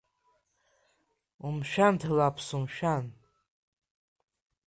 Умшәан Ҭлаԥс, умшәан!